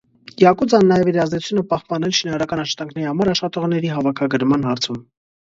Յակուձան նաև իր ազդեցությունը պահպանել շինարարական աշխատանքների համար աշխատողների հավաքագրման հարցում։